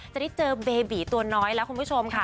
จะได้เจอเบบีตัวน้อยแล้วคุณผู้ชมค่ะ